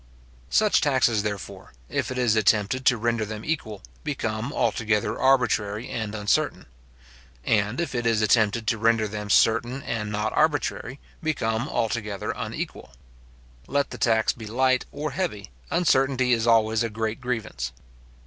Such taxes, therefore, if it is attempted to render them equal, become altogether arbitrary and uncertain; and if it is attempted to render them certain and not arbitrary, become altogether unequal. Let the tax be light or heavy, uncertainty is always a great grievance.